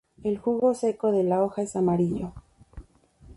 El jugo seco de la hoja es amarillo.